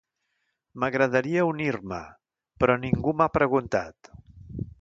M'agradaria unir-me, però ningú m'ha preguntat.